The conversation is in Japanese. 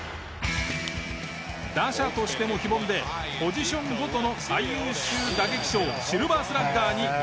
打者としても非凡でポジションごとの最優秀打撃賞シルバースラッガーに５度選出。